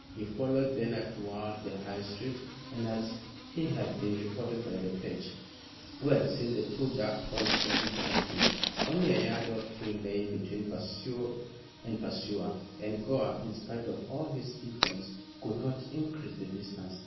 He followed Bernard towards the High Street, as had been reported by the page, who had seen the two dark forms shooting past him. Only a yard or two lay between pursued and pursuer, and Gore, in spite of all his efforts, could not increase the distance.